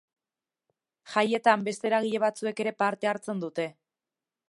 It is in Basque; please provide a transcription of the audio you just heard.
Jaietan, beste eragile batzuek ere parte hartzen dute.